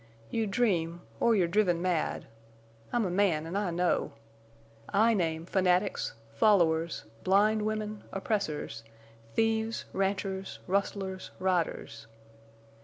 You dream—or you're driven mad. I'm a man, an' I know. I name fanatics, followers, blind women, oppressors, thieves, ranchers, rustlers, riders.